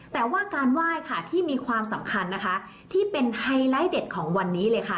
แต่ว่าการไหว้ค่ะที่มีความสำคัญนะคะที่เป็นไฮไลท์เด็ดของวันนี้เลยค่ะ